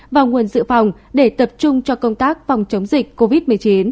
và nguồn dự phòng để tập trung cho công tác phòng chống dịch covid một mươi chín